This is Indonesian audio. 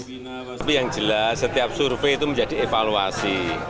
tapi yang jelas setiap survei itu menjadi evaluasi